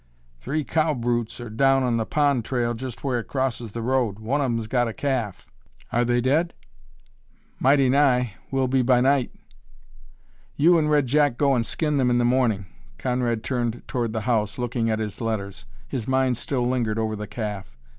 "Three cow brutes are down on the pond trail, just where it crosses the road. One of 'em's got a calf." "Are they dead?" "Mighty nigh will be by night." "You and Red Jack go and skin them in the morning." Conrad turned toward the house, looking at his letters. His mind still lingered over the calf.